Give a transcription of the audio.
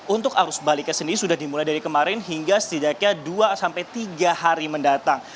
untuk arus baliknya sendiri sudah dimulai dari kemarin hingga setidaknya dua sampai tiga hari mendatang